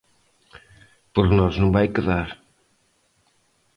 Por nós non vai quedar.